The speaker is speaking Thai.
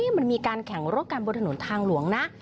มันมีการแข่งรถกันบนถนนทางหลวงนะ